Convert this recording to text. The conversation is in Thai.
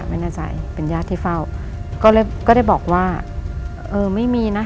ไม่แน่ใจเป็นญาติที่เฝ้าก็ได้ก็ได้บอกว่าเออไม่มีนะ